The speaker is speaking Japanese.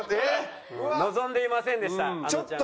望んでいませんでしたあのちゃんは。